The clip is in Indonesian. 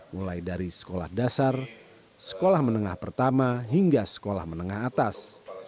mulai dari sekolah dasar sekolah menengah pertama hingga sekolah menengah atas